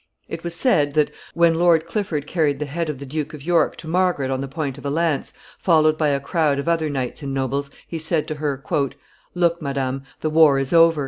It was said that when Lord Clifford carried the head of the Duke of York to Margaret on the point of a lance, followed by a crowd of other knights and nobles, he said to her, "Look, madam! The war is over!